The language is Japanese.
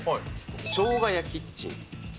しょうがやキッチン。